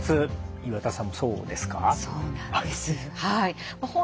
そうなんです。